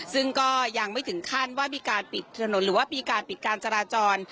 ซึ่งก็ยังไม่ถึงขั้นว่ามีการปิดถนนหรือว่ามีการปิดการจราจร